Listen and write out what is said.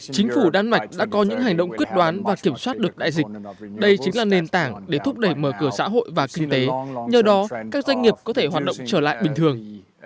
chính phủ đan mạch đã có những hành động quyết đoán và kiểm soát được đại dịch đây chính là nền tảng để thúc đẩy mở cửa xã hội và kinh tế nhờ đó các doanh nghiệp có thể hoạt động trở lại bình thường